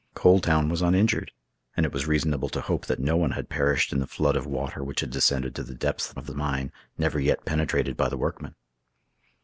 Coal Town was uninjured, and it was reasonable to hope that no one had perished in the flood of water which had descended to the depths of the mine never yet penetrated by the workmen.